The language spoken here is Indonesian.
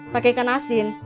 pake ikan asin